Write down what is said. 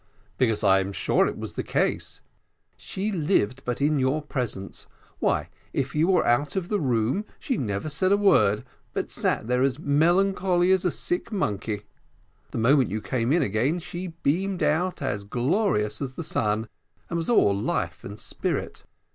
"Because I am sure it was the case; she lived but in your presence. Why, if you were out of the room, she never spoke a word, but sat there as melancholy as a sick monkey the moment you came in again she beamed out as glorious as the sun, and was all life and spirit."